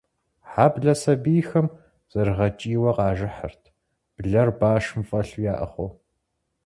Хьэблэ сэбийхэм зэрыгъэкӏийуэ къажыхьырт, блэр башым фӏэлъу яӏыгъыу.